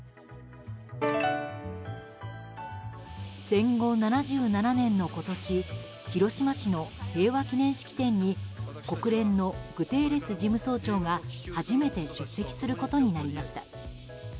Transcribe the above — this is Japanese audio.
戦後７７年の今年広島市の平和記念式典に国連のグテーレス事務総長が初めて出席することになりました。